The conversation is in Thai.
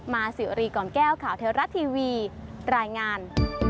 มาสิวรีก่อนแก้วข่าวเทวรัฐทีวีรายงาน